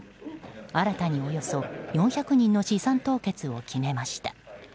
新たにおよそ４００人の資産凍結を決めました。